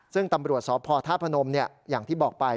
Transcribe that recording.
ซึ่งตำรวจสพธาตุพนมอย่างที่บอกไป